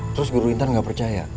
terus guru intan nggak percaya